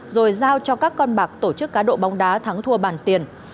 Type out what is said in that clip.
rồi giao cho các con bạc tổ chức cá độ bóng đá thắng thua bàn tiền